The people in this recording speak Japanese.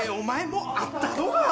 もう会ったどが！